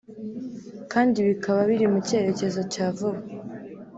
kandi bikaba biri mu cyerekezo cya vuba